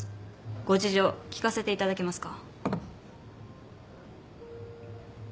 ご事情聞かせていただけますか？